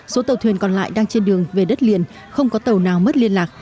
số tàu thuyền còn lại đang trên đường về đất liền không có tàu nào mất liên lạc